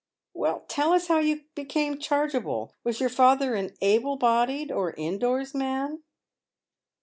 " Well, tell us how you became chargeable ? Was your father an able bodied or in doors man